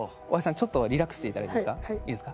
ちょっとリラックスしていただいていいですか？